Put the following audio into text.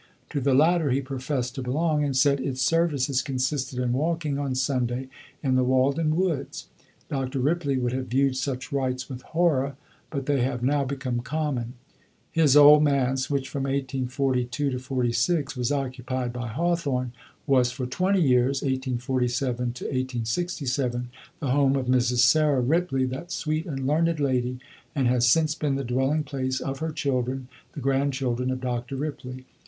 To the latter he professed to belong, and said its services consisted in walking on Sunday in the Walden woods. Dr. Ripley would have viewed such rites with horror, but they have now become common. His Old Manse, which from 1842 to 1846 was occupied by Hawthorne, was for twenty years (1847 1867) the home of Mrs. Sarah Ripley, that sweet and learned lady, and has since been the dwelling place of her children, the grandchildren of Dr. Ripley.